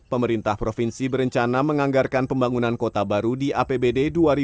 pemerintah provinsi berencana menganggarkan pembangunan kota baru di apbd dua ribu dua puluh